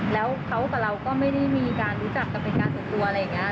แล้วเขากับเราก็ไม่ได้มีการรู้จักกันเป็นการส่วนตัวอะไรอย่างนี้